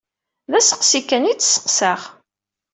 D asseqsi kan ay d-sseqsaɣ.